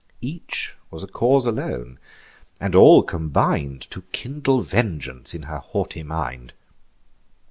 Each was a cause alone; and all combin'd To kindle vengeance in her haughty mind.